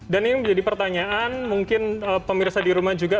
dan ini menjadi pertanyaan mungkin pemirsa di rumah juga